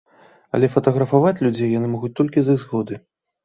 Але фатаграфаваць людзей яны могуць толькі з іх згоды.